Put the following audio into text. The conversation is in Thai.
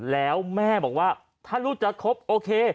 แล้วแม่บอกว่าถ้าลูกจะคบโอเค